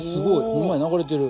ホンマや流れてる。